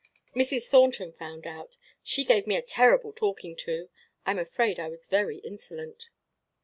"Mrs. Thornton found out. She gave me a terrible talking to. I am afraid I was very insolent.